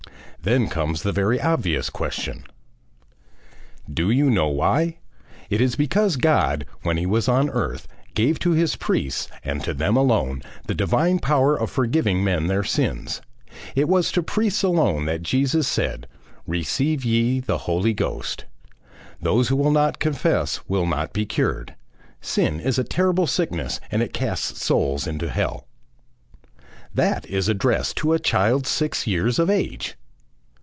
Then comes the very obvious question: "'Do you know why? It is because God, when he was on earth, gave to his priests, and to them alone, the Divine Power of forgiving men their sins. It was to priests alone that Jesus said: "Receive ye the Holy Ghost." ... Those who will not confess will not be cured. Sin is a terrible sickness, and casts souls into hell.' "That is addressed to a child six years of age.